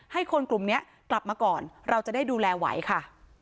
ให้คนกลุ่มนี้กลับมาก่อนเราจะได้ดูแลไหวค่ะ